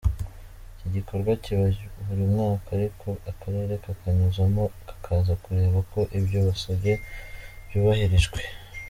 Iki gikorwa kiba buri mwaka ariko akarere kakanyuzamo kakaza kureba ko ibyo basabye byubahirijwe.